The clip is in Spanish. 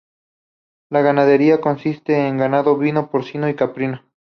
La ganadería consiste en ganado, ovinos, porcinos, caprinos.